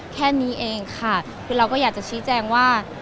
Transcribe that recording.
แค่นี้เองค่ะคือเราก็อยากจะชี้แจงว่า